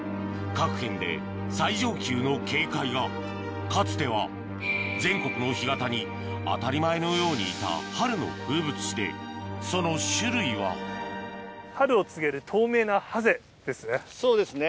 各県で最上級の警戒がかつては全国の干潟に当たり前のようにいた春の風物詩でその種類はそうですね